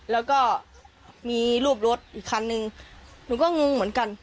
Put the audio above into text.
แล้วก็มีรูปรถอีกคันนึงหนูก็งงเหมือนกัน